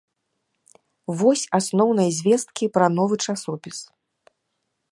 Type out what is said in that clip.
Вось асноўныя звесткі пра новы часопіс.